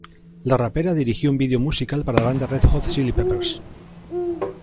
La rapera dirigió un video musical para la banda Red Hot Chili Peppers.